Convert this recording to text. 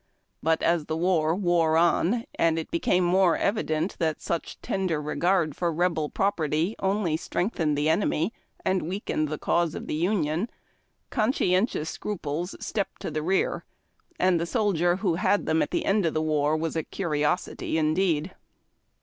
But as the war wore on, and it became more evident that such tender regard for Rebel propertv only strengthened the enemy and weakened the cause of tiie Union, conscientious scruples stepped to the rear, and the soldier who had them at the end of the war was a curiosity indeed.